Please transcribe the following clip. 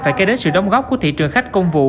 phải kể đến sự đóng góp của thị trường khách công vụ